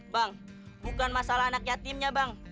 bang bukan masalah anak yatimnya bang